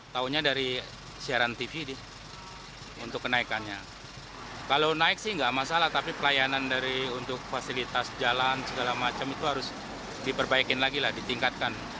tahunya dari siaran tv untuk kenaikannya kalau naik sih nggak masalah tapi pelayanan dari untuk fasilitas jalan segala macam itu harus diperbaikin lagi lah ditingkatkan